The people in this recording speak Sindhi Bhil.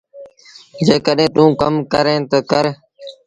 جيڪڏهيݩ توݩ ڪم ڪريݩ تا ڪر۔